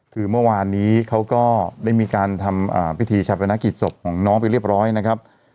คือเมื่อวานนี้เขาก็ได้มีการทำพิธีชาปนกิจศพของน้องไปเรียบร้อยนะครับ